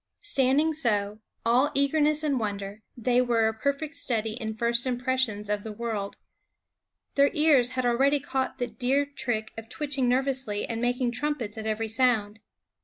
Standing so, all eagerness and wonder, they were a perfect study in first impressions of the world. Their ears had already caught the deer trick of twitching nervously and making trumpets at every sound.